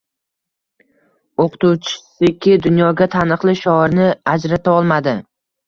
O‘qituvchisiki dunyoga taniqli shoirni ajratolmadi